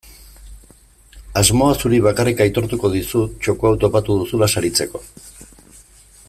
Asmoa zuri bakarrik aitortuko dizut txoko hau topatu duzula saritzeko.